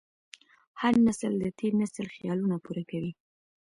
هر نسل د تېر نسل خیالونه پوره کوي.